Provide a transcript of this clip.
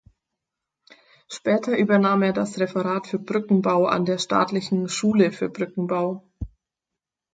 Später übernahm er das Referat für Brückenbau an der Staatlichen Schule für Brückenbau.